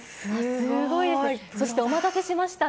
すごいです、そしてお待たせしました。